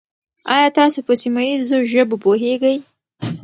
آیا تاسو په سیمه ییزو ژبو پوهېږئ؟